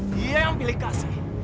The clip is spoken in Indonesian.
dia yang pilih kasih